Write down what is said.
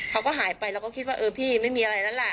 เขาก็หายไปเราก็คิดว่าเออพี่ไม่มีอะไรแล้วแหละ